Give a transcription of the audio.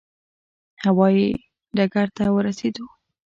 هوا یي ډګر ته ورسېدو.